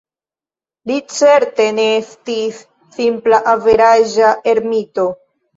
Li certe ne estis simpla, "averaĝa" ermito.